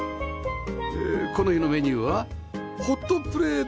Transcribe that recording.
この日のメニューはホットプレートでタコライス